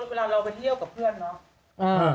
เวลาเราไปเที่ยวกับเพื่อนเนาะ